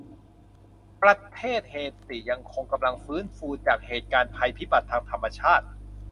ประเทศเฮติยังคงกำลังฟื้นฟูจากเหตุการณ์ภัยพิบัติทางธรรมชาติ